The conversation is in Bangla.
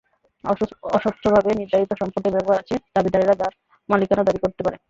অস্বচ্ছভাবে নির্ধারিত সম্পদের ব্যাপার আছে, দাবিদারেরা যার মালিকানা দাবি করতে পারে।